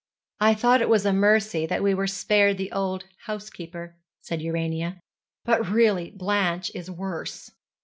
'I thought it was a mercy that we were spared the old housekeeper,' said Urania, 'but really Blanche is worse.'